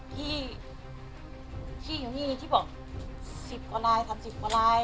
ที่บอก๑๐กว่าลายทั้ง๑๐กว่าลาย